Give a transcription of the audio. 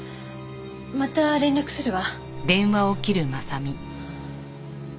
また連絡するわ。